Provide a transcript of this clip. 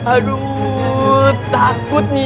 aduh takut nih